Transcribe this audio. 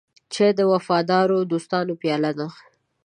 چای د وفادارو دوستانو پیاله ده.